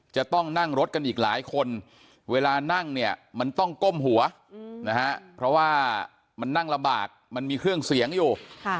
จะต้องนั่งรถกันอีกหลายคนเวลานั่งเนี่ยมันต้องก้มหัวนะฮะเพราะว่ามันนั่งลำบากมันมีเครื่องเสียงอยู่